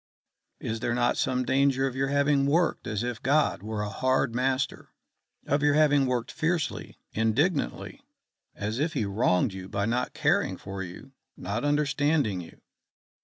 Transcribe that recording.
Is there not some danger of your having worked as if God were a hard master? of your having worked fiercely, indignantly, as if he wronged you by not caring for you, not understanding you?"